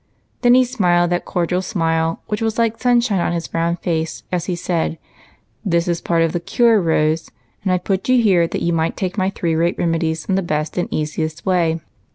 Then he smiled that cordial smile, which was like sunshine on his brown face, as he said, —" This is part of the cure, Rose, and I put you here that you might take my three great remedies in the best and easiest way.